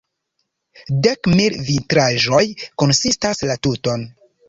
Dek mil vitraĵoj konsistas la tuton.